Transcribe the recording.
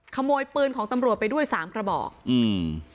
ขโมยปืนของตำรวจไปด้วยสามกระบอกอืม